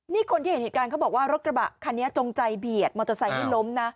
นี่คนที่เห็นเหตุการณ์เขาบอกว่ารถกระบะคันนี้จงใจเบียดมอเตอร์ไซค์ให้ล้มนะ